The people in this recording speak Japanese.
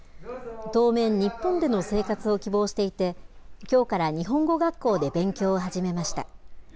当面、日本での生活を希望していて、きょうから日本語学校で勉強を始めました。